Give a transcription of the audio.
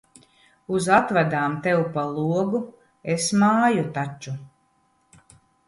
Uz atvadām tev pa logu es māju taču.